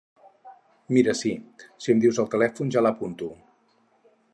Mira si, si em dius el telèfon ja l'apunto.